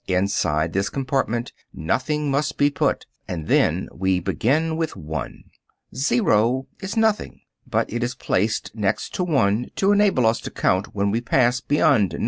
Inside this compartment "nothing must be put," and then we begin with one. Zero is nothing, but it is placed next to one to enable us to count when we pass beyond 9 thus, 10.